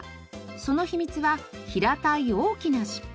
その秘密は平たい大きな尻尾。